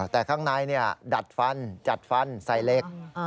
แต่ข้างในดัดฟันจัดฟันใส่เหล็ก